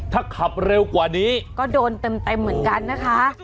ถ้าขับเร็วกว่านี้ก็โดนเต็มเหมือนกันนะคะ